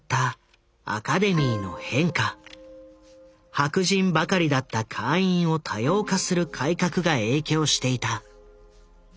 白人ばかりだった会員を多様化する改革が影響していた。